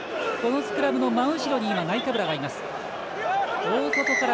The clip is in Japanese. スクラムの真後ろにナイカブラがいます。